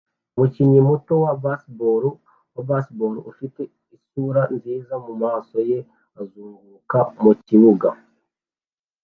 Umukinnyi muto wa baseball wa baseball ufite isura nziza mumaso ye azunguruka mukibuga